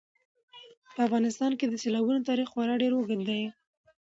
په افغانستان کې د سیلابونو تاریخ خورا ډېر اوږد دی.